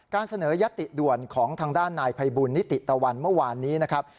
เสนอยัตติด่วนของทางด้านนายภัยบุญนิติตะวันเมื่อวานนี้นะครับ